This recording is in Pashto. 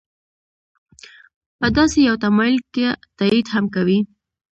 په داسې یو تمایل که تایید هم کوي.